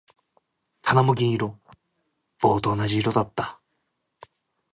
棚も銀色。棒と同じ色だった。